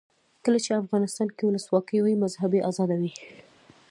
کله چې افغانستان کې ولسواکي وي مذهبي آزادي وي.